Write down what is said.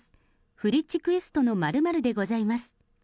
フリッチクエストの○○でございます。